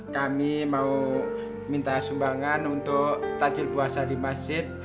kami mau minta sumbangan untuk tajil puasa di masjid